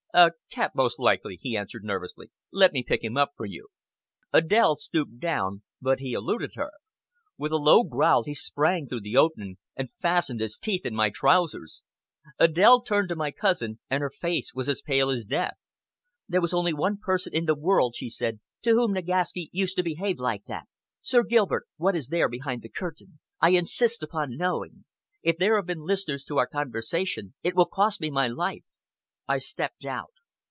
"A cat most likely," he answered nervously. "Let me pick him up for you." Adèle stooped down, but he eluded her. With a low growl he sprang through the opening, and fastened his teeth in my trousers. Adèle turned to my cousin and her face was as pale as death. "There was only one person in the world," she said, "to whom Nagaski used to behave like that. Sir Gilbert! what is there behind that curtain? I insist upon knowing. If there have been listeners to our conversation, it will cost me my life." I stepped out.